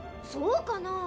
そうかな？